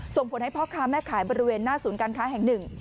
ส่งผลให้พ่อค้าแม่ขายบริเวณหน้าศูนย์การค้าแห่งหนึ่ง